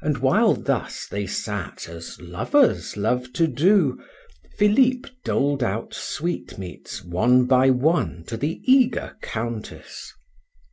And while thus they sat as lovers love to do, Philip doled out sweetmeats one by one to the eager Countess.